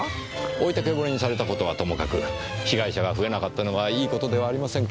置いてけぼりにされた事はともかく被害者が増えなかったのはいい事ではありませんか。